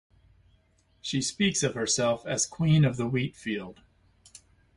She speaks of herself as queen of the wheat field.